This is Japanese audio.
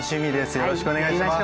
よろしくお願いします。